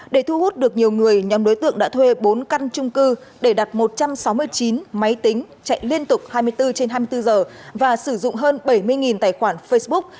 để thu hút được nhiều người nhóm đối tượng đã thuê bốn căn trung cư để đặt một trăm sáu mươi chín máy tính chạy liên tục hai mươi bốn trên hai mươi bốn giờ và sử dụng hơn bảy mươi tài khoản facebook